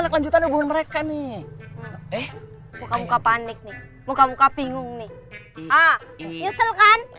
kelanjutan ibu mereka nih eh muka muka panik nih muka muka bingung nih ah nyesel kan